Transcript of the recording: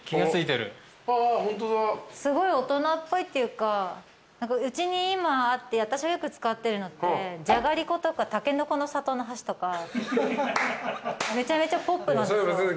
すごい大人っぽいっていうかうちに今あって私がよく使ってるのってじゃがりことかたけのこの里の箸とかめちゃめちゃポップなんですよ。